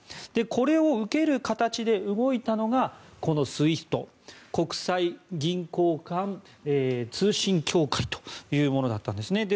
これを受ける形で動いたのがこのＳＷＩＦＴ・国際銀行間通信協会というものだったんですね。